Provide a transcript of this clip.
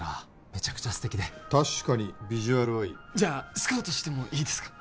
めちゃくちゃ素敵で確かにビジュアルはいいじゃスカウトしてもいいですか？